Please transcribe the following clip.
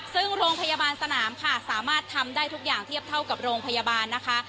ซึ่งโรงพยาบาลสนามค่ะสามารถทำได้ทุกอย่างเทียบเท่ากับโรงพยาบาลนะคะ